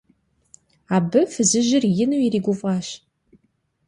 Абы фызыжьыр ину иригуфӀащ.